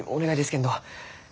けんど